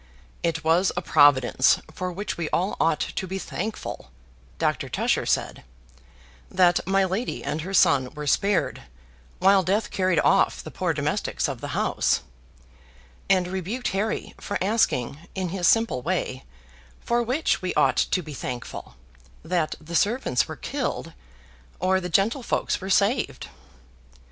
"It was a Providence, for which we all ought to be thankful," Doctor Tusher said, "that my lady and her son were spared, while Death carried off the poor domestics of the house;" and rebuked Harry for asking, in his simple way, For which we ought to be thankful that the servants were killed, or the gentlefolks were saved?